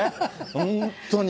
本当に。